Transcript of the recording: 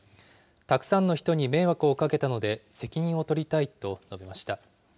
たくさんの人に迷惑をかけたので責任を取りたいと述べました。